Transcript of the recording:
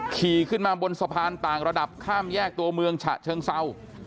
ขี่ขึ้นมาบนสะพานต่างระดับข้ามแยกตัวเมืองฉะเชิงเศร้า